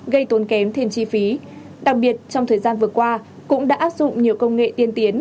gây tốn kém thêm chi phí